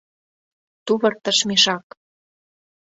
— Тувыртыш мешак!